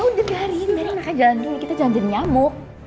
udah udah hari ini nanti mereka jalanin nih kita jalanin nyamuk